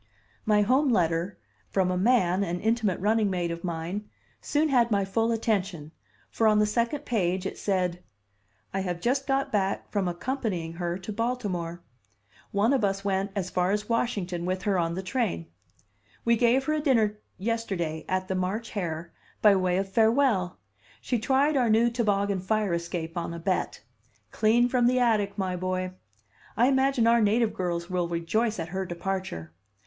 My home letter, from a man, an intimate running mate of mine, soon had my full attention, for on the second page it said: "I have just got back from accompanying her to Baltimore. One of us went as far as Washington with her on the train. We gave her a dinner yesterday at the March Hare by way of farewell. She tried our new toboggan fire escape on a bet. Clean from the attic, my boy. I imagine our native girls will rejoice at her departure.